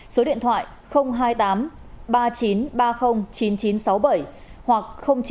số điện thoại hai mươi tám ba mươi chín ba mươi chín nghìn chín trăm sáu mươi bảy hoặc chín trăm linh bảy năm trăm bảy mươi bảy